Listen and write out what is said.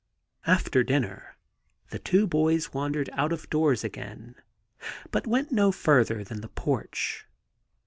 After dinner the two boys wandered out of doors again, but went no further than the porch.